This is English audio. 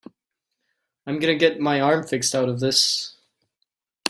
I'm gonna get my arm fixed out of this.